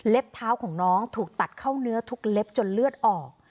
เท้าของน้องถูกตัดเข้าเนื้อทุกเล็บจนเลือดออก